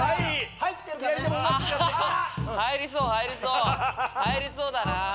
入りそうだなぁ。